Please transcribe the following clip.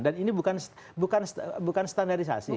dan ini bukan standarisasi